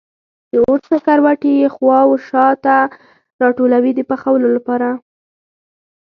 د اور سکروټي یې خوا و شا ته راټولوي د پخولو لپاره.